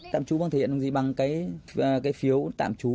tạm trú bằng thể hiện gì bằng cái phiếu tạm trú